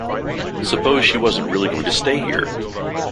Suppose she wasn’t really going to stay here!